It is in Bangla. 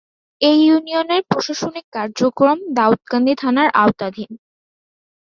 এ ইউনিয়নের প্রশাসনিক কার্যক্রম দাউদকান্দি থানার আওতাধীন।